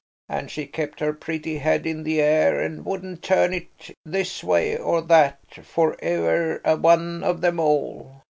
And she kept her pretty head in the air and wouldn't turn it this way or that for e'er a one of them all.